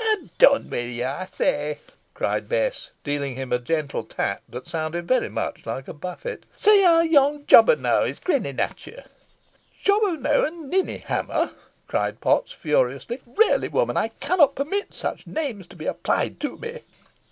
"Ha' done, ey say," cried Bess, dealing him a gentle tap that sounded very much like a buffet. "See how yon jobberknow is grinning at ye." "Jobberknow and ninny hammer," cried Potts, furiously; "really, woman, I cannot permit such names to be applied to me."